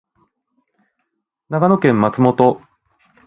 長野県松本